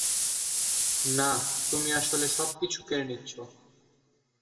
না, তুমি আসলে সবকিছু কেড়ে নিচ্ছো!